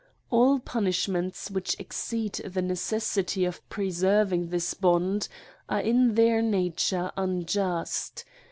All punishments which exceed the ne cessity of preserving this bond are in their nature unjust.